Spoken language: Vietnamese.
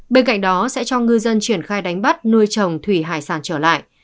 bên cạnh đó sẽ cho ngư dân triển khai đánh bắt nuôi trồng thủy hải sản trở lại